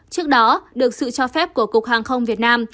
trước đó được sự cho phép của cục hàng không việt nam